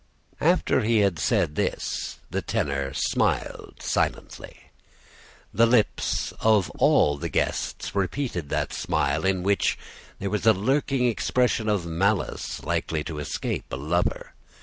"After he had said this the tenor smiled silently. The lips of all the guests repeated that smile, in which there was a lurking expression of malice likely to escape a lover.